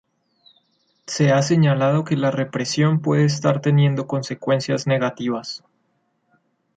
Se ha señalado que la represión puede estar teniendo consecuencias negativas.